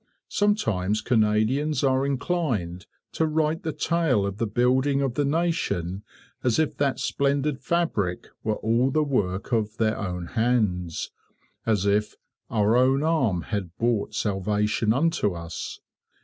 Sometimes Canadians are inclined to write the tale of the building of the nation as if that splendid fabric were all the work of their own hands, as if 'our own arm had brought salvation unto us.'